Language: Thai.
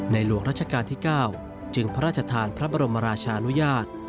หลวงรัชกาลที่๙จึงพระราชทานพระบรมราชานุญาต